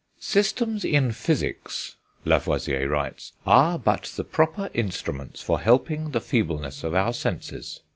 "Systems in physics," Lavoisier writes, "are but the proper instruments for helping the feebleness of our senses.